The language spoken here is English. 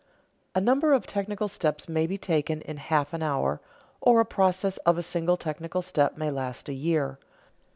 A number of technical steps may be taken in half an hour, or a process of a single technical step may last a year.